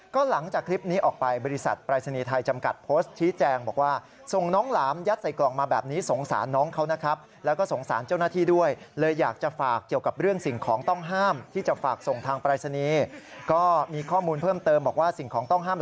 ก็หลังจากคลิปนี้ออกไปบริษัทปรายศนีย์ไทยจำกัดโพสต์